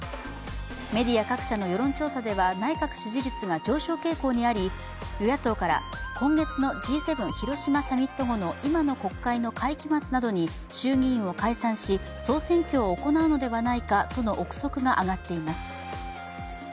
メディア各社の世論調査では内閣支持率が上昇傾向にあり与野党から今月のＧ７広島サミット後の今の国会の会期末などに衆議院を解散し、総選挙を行うのではないかとの臆測が上がっています。